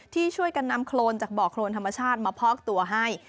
ที่ช่วยกันนำโครนจากบ่อโครนธรรมชาติมาพอกตัวให้